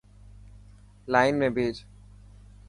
لائن ۾ پيچ.